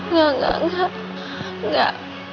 nggak nggak nggak